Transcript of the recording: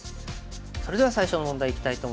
それでは最初の問題いきたいと思います。